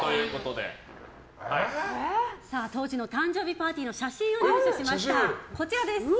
当時の誕生日パーティーの写真を入手しました。